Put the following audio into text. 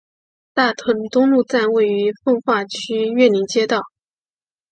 大成东路站位于奉化区岳林街道。